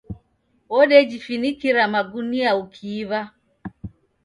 Wodejifinikira magunia ukiiw'a.